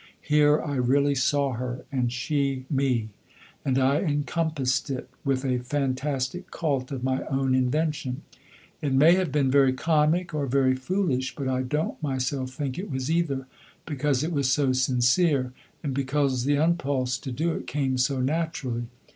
Here I really saw her, and she me;" and I encompassed it with a fantastic cult of my own invention. It may have been very comic, or very foolish, but I don't myself think it was either, because it was so sincere, and because the impulse to do it came so naturally.